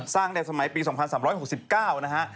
ตั้งแต่สมัยปี๒๓๖๙นะฮะ